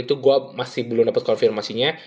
itu gua masih belum dapat konfirmasi itu ya